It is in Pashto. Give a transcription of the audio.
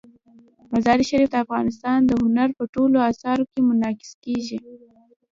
مزارشریف د افغانستان د هنر په ټولو اثارو کې منعکس کېږي.